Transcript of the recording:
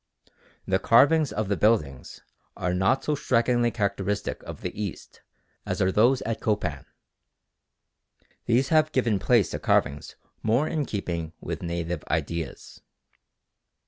The carvings of the buildings are not so strikingly characteristic of the East as are those at Copan. These have given place to carvings more in keeping with native ideas.